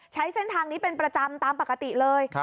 ใช้เส้นทางนี้เป็นประจำตามปกติเลย